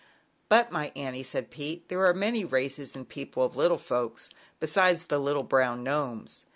"But, my Annie," said Pete, "there are many races and people of little folks besides the little brown Gnomes.